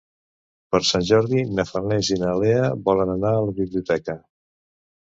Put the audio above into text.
Per Sant Jordi na Farners i na Lea volen anar a la biblioteca.